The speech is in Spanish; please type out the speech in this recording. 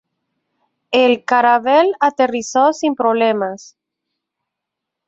El Caravelle aterrizó sin problemas.